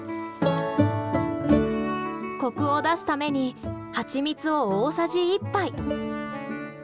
コクを出すためにハチミツを大さじ１杯。